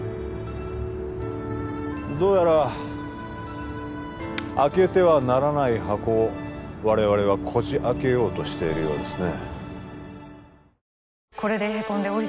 どうやら開けてはならない箱を我々はこじ開けようとしているようですね